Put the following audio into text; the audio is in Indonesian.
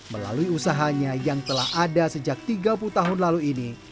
melalui usahanya yang telah ada sejak tiga puluh tahun lalu ini